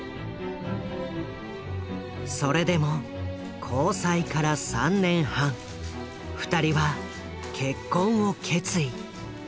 それでも交際から３年半２人は結婚を決意。